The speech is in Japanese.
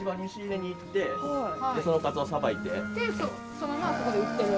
そのままあそこで売ってる？